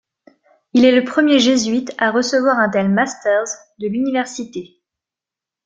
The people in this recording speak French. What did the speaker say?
Il est le premier jésuite à recevoir un tel ‘Masters’ de l’université.